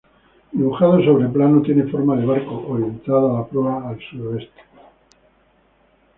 Dibujado sobre plano tiene forma de barco orientada la proa al suroeste.